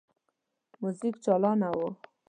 موزیک چالانه وو.